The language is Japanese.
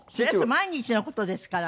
毎日の事ですからね。